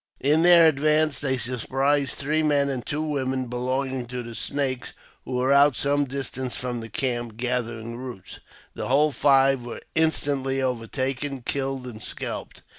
In their advance they surprised three men and two women belonging to the Snakes, who were out some distance from camp, gathering roots. The whole five were instantly overtaken, killed, and scalped.